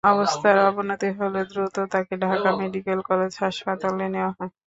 অবস্থার অবনতি হলে দ্রুত তাকে ঢাকা মেডিকেল কলেজ হাসপাতালে নেওয়া হয়।